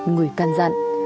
người can dặn